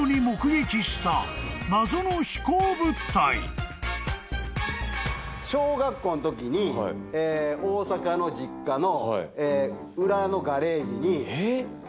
えっ！？小学校のときに大阪の実家の裏のガレージに。